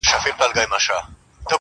له دغي لويي وچي وځم.